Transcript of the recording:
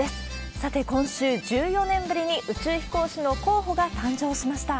さて、今週１４年ぶりに宇宙飛行士の候補が誕生しました。